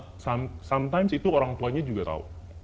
kadang kadang itu orang tuanya juga tahu